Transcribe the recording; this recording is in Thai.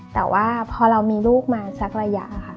แต่ว่าพอเรามีลูกมาสักระยะค่ะ